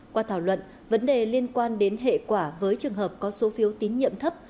qua thảo luận vấn đề liên quan đến hệ quả với trường hợp có số phiếu tín nhiệm thấp